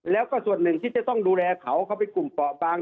แล้วก็ส่วนหนึ่งที่จะต้องดูแลเขาเขาเป็นกลุ่มเปาะบาง